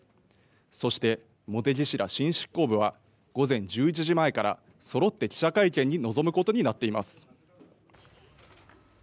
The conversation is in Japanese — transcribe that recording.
そして茂木氏ら新執行部は午前１１時前からそろって記者会見に臨むことになっています。